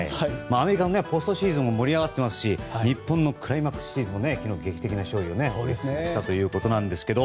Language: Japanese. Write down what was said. アメリカのポストシーズンも盛り上がっていますし日本のクライマックスシリーズも昨日、劇的な勝利をしたということですが。